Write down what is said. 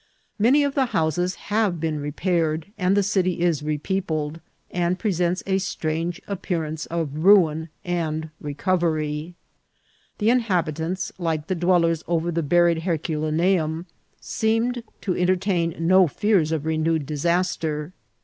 Many of the houses have been re paired, the city is repeopled, and presents a strange ap pearance of ruin and recovery. The inhabitants, like the dwellers over the buried Herculaneum, seemed to entertain no fears of renewed disaster.